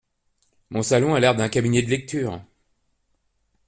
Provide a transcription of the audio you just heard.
Mon salon a l’air d’un cabinet de lecture.